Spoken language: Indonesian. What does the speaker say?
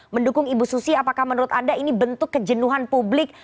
mendukung ibu susi apakah menurut anda ini bentuk kejenuhan publik